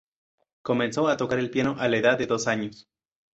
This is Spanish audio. Comenzó a tocar el piano a la edad de dos años.